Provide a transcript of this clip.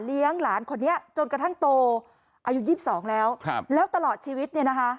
เลี้ยงหลานคนนี้จนกระทั่งโตอายุยิบสองแล้วครับแล้วตลอดชีวิตเนี่ยนะฮะ